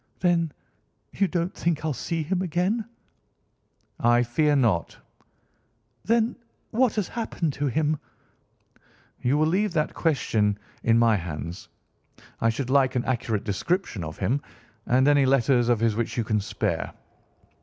"Then you don't think I'll see him again?" "I fear not." "Then what has happened to him?" "You will leave that question in my hands. I should like an accurate description of him and any letters of his which you can spare."